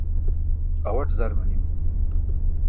Awaṭ zar manimi.